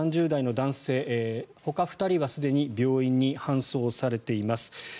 ３０代の男性ほか２人はすでに病院に搬送されています。